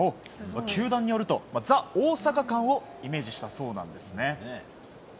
球団によるとザ・大阪感をイメージしたそうなんですね。